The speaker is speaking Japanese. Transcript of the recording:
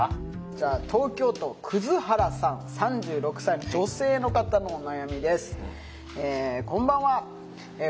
じゃあ東京都くずはらさん３６歳の女性の方のお悩みです。